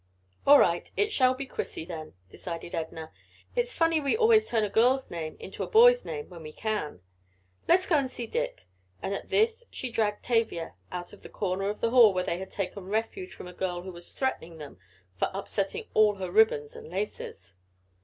"All right, it shall be Chrissy then," decided Edna. "It's funny we always turn a girl's name into a boy's name when we can. Let's go and see Dick," and at this she dragged Tavia out of the corner of the hall where they had taken refuge from a girl who was threatening them for upsetting all her ribbons and laces.